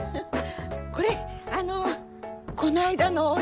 これあのこの間のお礼。